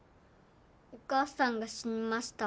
お母さんが死にました。